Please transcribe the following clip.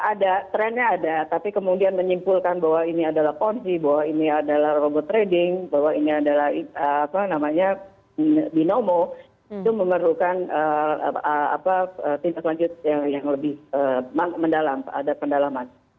ada trennya ada tapi kemudian menyimpulkan bahwa ini adalah ponzi bahwa ini adalah robot trading bahwa ini adalah binomo itu memerlukan tindak lanjut yang lebih mendalam ada pendalaman